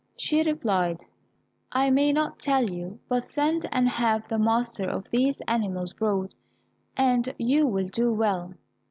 She replied, "I may not tell you, but send and have the master of these animals brought, and you will do well."